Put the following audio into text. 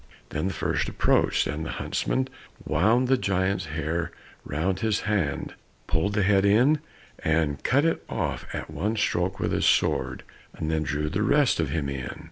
Then the first approached, and the huntsman wound the giant's hair round his hand, pulled the head in, and cut it off at one stroke with his sword, and then drew the rest of him in.